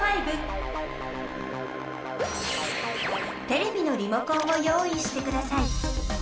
テレビのリモコンを用いしてください。